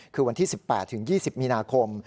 คือวันที่๑๘๒๐มีนาคม